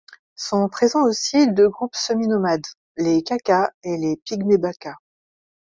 Sont présents aussi deux groupes semi-nomades, les Kaka et les Pygmées baka.